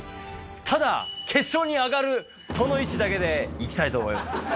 ただ、決勝に上がる、その意志だけでいきたいと思います。